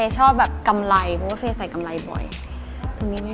ชอบเด็กอะไรก็จะเป็นรุ่นมีน